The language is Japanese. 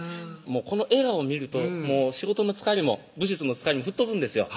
この笑顔を見るともう仕事の疲れも武術の疲れも吹っ飛ぶんですよ